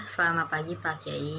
selamat pagi pak kiai